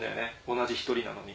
同じ一人なのに。